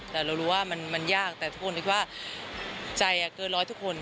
แต่เรารู้ว่ามันยากแต่ทุกคนคิดว่าใจเกินร้อยทุกคน